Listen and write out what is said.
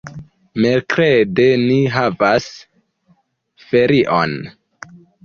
Merkrede ni havas ferion.